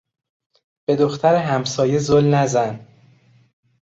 به دختر همسایه زل نزن!